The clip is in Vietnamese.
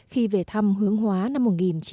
khi về thăm hướng hóa năm một nghìn chín trăm bảy mươi